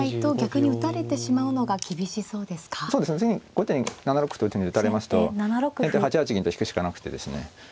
後手に７六歩と打たれますと先手８八銀と引くしかなくてですね